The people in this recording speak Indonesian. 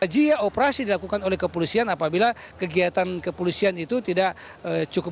jika operasi dilakukan oleh kepolisian apabila kegiatan kepolisian itu tidak cukup